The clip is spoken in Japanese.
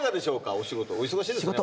お仕事お忙しいですね